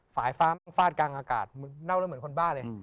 ฟาดกลางอากาศเหมือนคนบ้าเลย